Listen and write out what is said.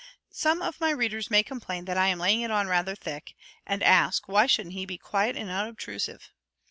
Some of my readers may complain that I am "laying it on rather thick," and ask "Why shouldn't he be quiet and unobtrusive?"